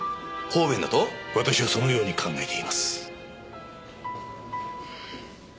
私はそのように考えています。